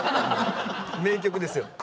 名曲ですよ。